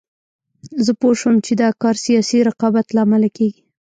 زه پوه شوم چې دا کار سیاسي رقابت له امله کېږي.